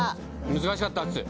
難しかったっす。